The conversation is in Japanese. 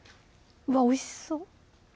うわっおいしそう